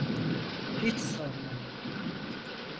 Hiç sorma.